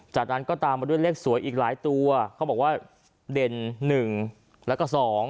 จากนั้นก็ตามมาด้วยเลขสวยอีกหลายตัวเขาบอกว่าเด่น๑แล้วก็๒